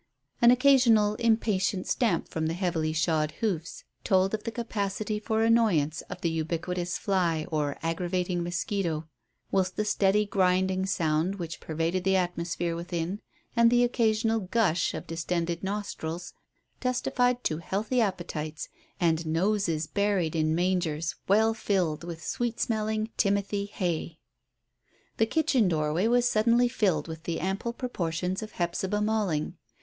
An occasional impatient stamp from the heavily shod hoofs told of the capacity for annoyance of the ubiquitous fly or aggravating mosquito, whilst the steady grinding sound which pervaded the atmosphere within, and the occasional "gush" of distended nostrils testified to healthy appetites, and noses buried in mangers well filled with sweet smelling "Timothy" hay. The kitchen doorway was suddenly filled with the ample proportions of Hephzibah Malling.